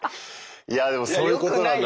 いやでもそういうことなんだろうね。